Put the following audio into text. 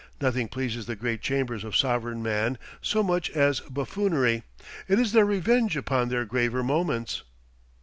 Nothing pleases the great chambers of sovereign man so much as buffoonery. It is their revenge upon their graver moments.